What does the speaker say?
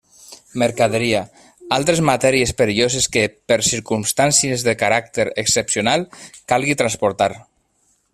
Mercaderia: altres matèries perilloses que, per circumstàncies de caràcter excepcional, calgui transportar.